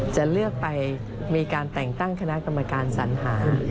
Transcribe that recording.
จะเลือกไปมีการแต่งตั้งคณะกรรมการสัญหา